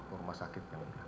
di bawah rumah sakitnya mulia